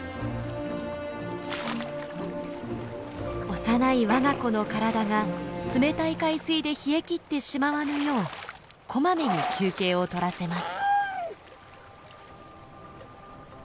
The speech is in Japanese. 幼い我が子の体が冷たい海水で冷え切ってしまわぬようこまめに休憩を取らせます。